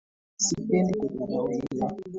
Sipendi kudharauliwa.